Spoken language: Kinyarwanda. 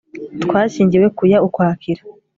Twashyingiwe ku ya Ukwakira